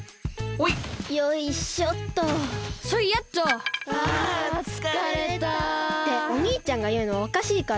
はあつかれた。っておにいちゃんがいうのはおかしいから！